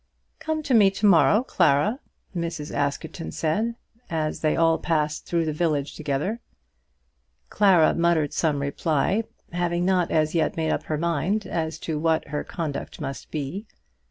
"Come to me to morrow, Clara," Mrs. Askerton said as they all passed through the village together. Clara muttered some reply, having not as yet made up her mind as to what her conduct must be.